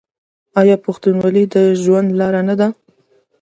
آیا پښتونولي د ژوند لاره نه ده؟